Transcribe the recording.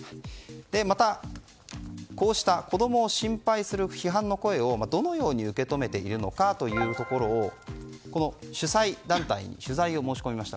またこうした子供を心配する批判の声をどのように受け止めているのかというところをこの主催団体に取材を申し込みました。